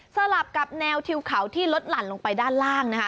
สลับกับแนวทิวเขาที่ลดหลั่นลงไปด้านล่างนะคะ